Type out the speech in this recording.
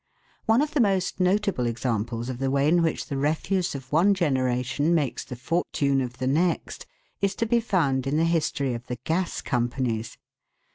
One of the most notable examples of the way in which the refuse of one generation makes the fortune of the next, is to be found in the history of the gas companies.